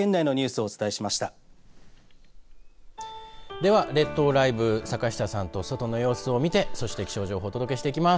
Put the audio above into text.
では、列島ＬＩＶＥ坂下さんと外の様子を見てそして、気象情報をお伝えしていきます。